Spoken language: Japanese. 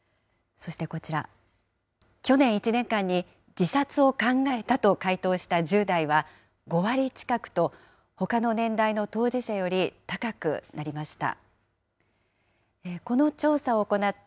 そしてこちら、去年１年間に自殺を考えたと回答した１０代は５割近くと、ほかの年代の当事者より高くなりました。